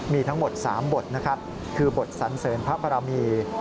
มีทั้งหมด๓บทนะครับคือบทสันเสริญพระบรมี